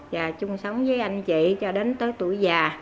và chung sống với anh chị cho đến tới tuổi già